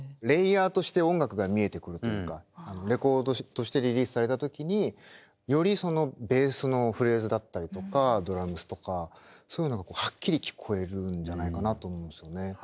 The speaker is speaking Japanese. レイヤーとして音楽が見えてくるというかレコードとしてリリースされた時によりそのベースのフレーズだったりとかドラムスとかそういうのがはっきり聞こえるんじゃないかなと思うんですよね。